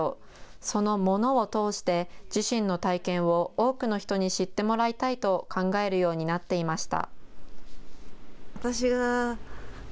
その物を通して自身の体験を多くの人に知ってもらいたいと考えるようになっていました。